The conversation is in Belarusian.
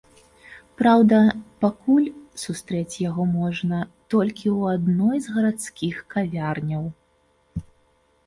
Праўда, пакуль сустрэць яго можна толькі ў адной з гарадскіх кавярняў.